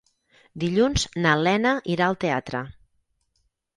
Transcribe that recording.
Dilluns na Lena irà al teatre.